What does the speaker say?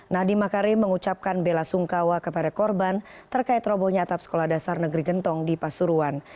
nadiem makarim mengucapkan bela sungkawa kepada korban terkait robohnya atap sekolah dasar negeri gentong di pasuruan